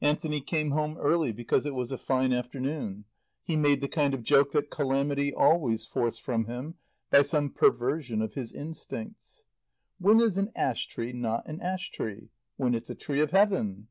Anthony came home early, because it was a fine afternoon. He made the kind of joke that calamity always forced from him, by some perversion of his instincts. "When is an ash tree not an ash tree? When it's a tree of Heaven."